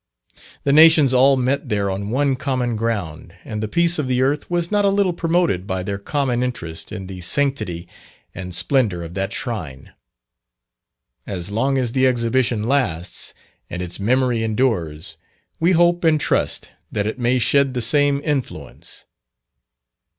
The nations all met there on one common ground, and the peace of the earth was not a little promoted by their common interest in the sanctity and splendour of that shrine. As long as the Exhibition lasts, and its memory endures, we hope and trust that it may shed the same influence.